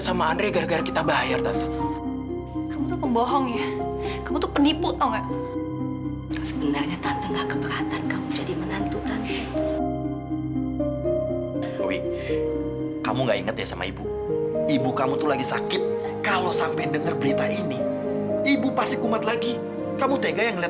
sebenarnya juga gak apa apa kan